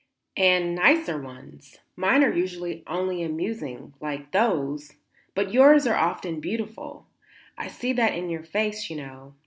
"And nicer ones. Mine are usually only amusing, like those; but yours are often beautiful. I see that in your face, you know.